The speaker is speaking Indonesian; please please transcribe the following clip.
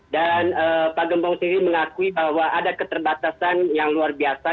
dan pak gembong sendiri mengakui bahwa ada keterbatasan yang luar biasa